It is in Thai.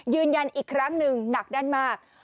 ยืนยันอีกครั้งหนึ่งหนักแน่นมาก